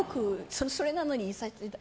それなのに最近。